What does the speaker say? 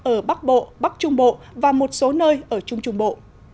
ở bắc bộ bắc trung bộ và một số nơi ở trung trung bộ